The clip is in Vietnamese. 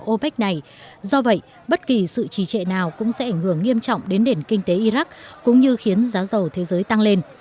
opec này do vậy bất kỳ sự trì trệ nào cũng sẽ ảnh hưởng nghiêm trọng đến nền kinh tế iraq cũng như khiến giá dầu thế giới tăng lên